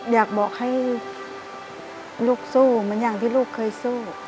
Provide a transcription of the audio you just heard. อยากบอกให้ลูกสู้เหมือนอย่างที่ลูกเคยสู้